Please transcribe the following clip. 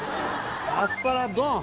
アスパラドン！